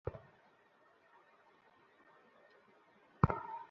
শুনেছি আপনি ঐতিহ্যবাহী ঘোড়া আর মাটির হাঁড়ি তৈরি করেন।